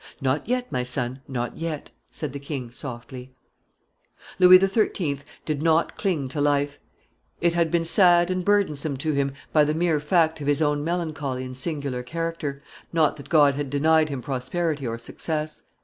"Not yet, my son, not yet," said the king, softly. Louis XIII. did not cling to life: it had been sad and burdensome to him by the mere fact of his own melancholy and singular character, not that God had denied him prosperity or success.